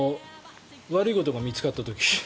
悪いことが見つかった時。